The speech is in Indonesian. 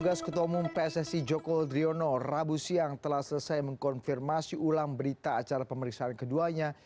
tugas ketua umum pssi joko driono rabu siang telah selesai mengkonfirmasi ulang berita acara pemeriksaan keduanya